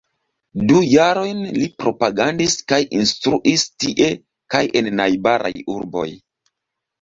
Du jarojn li propagandis kaj instruis tie kaj en najbaraj urboj.